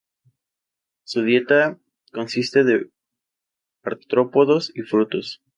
Su dieta consiste de artrópodos y frutos.